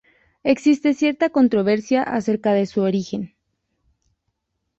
Existe cierta controversia acerca de su origen.